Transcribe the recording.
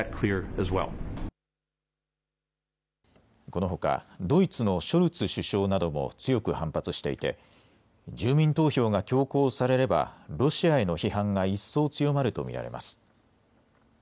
このほかドイツのショルツ首相なども強く反発していて住民投票が強行されればロシアへの批判が一層、強まると見られます。